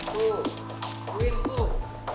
tuh tuin tuh